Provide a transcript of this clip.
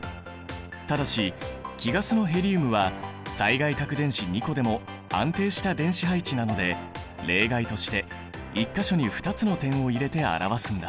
ただし貴ガスのヘリウムは最外殻電子２個でも安定した電子配置なので例外として１か所に２つの点を入れて表すんだ。